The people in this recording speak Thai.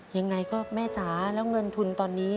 ยังไงก็แม่จ๋าแล้วเงินทุนตอนนี้